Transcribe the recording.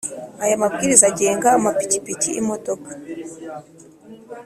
Aya mabwiriza agenga amapikipiki imodoka